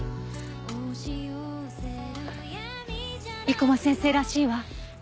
生駒先生らしいわ。